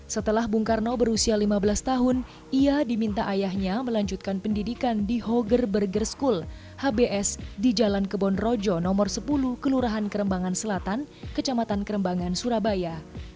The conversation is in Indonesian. setelah bung karno berusia lima belas tahun ia diminta ayahnya melanjutkan pendidikan di hoger burger school hbs di jalan kebon rojo nomor sepuluh kelurahan kerembangan selatan kecamatan kerembangan surabaya